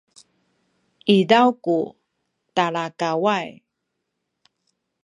izaw ku talakaway